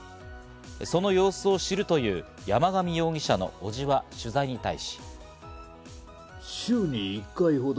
その様子を知るという山上容疑者の伯父は取材に対し。